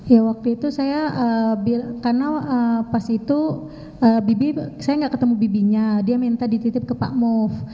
ya waktu itu saya karena pas itu bibi saya nggak ketemu bibinya dia minta dititip ke pak mof